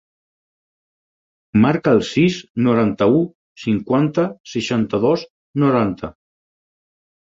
Marca el sis, noranta-u, cinquanta, seixanta-dos, noranta.